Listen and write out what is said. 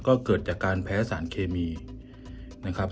ก็เกิดจากการแพ้สารเคมีนะครับ